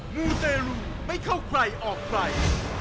มูเตรลูไม่เข้าใครออกใคร